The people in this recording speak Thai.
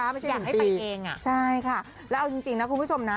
ไม่ใช่อยากให้ไปเองอ่ะใช่ค่ะแล้วเอาจริงนะคุณผู้ชมนะ